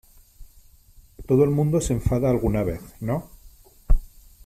todo el mundo se enfada alguna vez ,¿ no ?